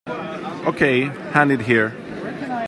Okay, hand it here.